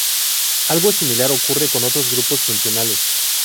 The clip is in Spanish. Algo similar ocurre con otros grupos funcionales.